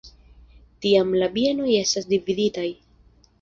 Tiam la bienoj estis dividitaj.